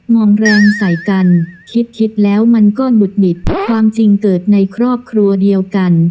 องแรงใส่กันคิดคิดแล้วมันก็หงุดหงิดความจริงเกิดในครอบครัวเดียวกัน